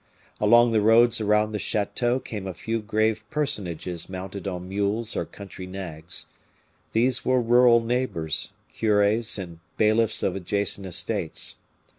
Along the roads around the chateau came a few grave personages mounted on mules or country nags. These were rural neighbors, cures and bailiffs of adjacent estates.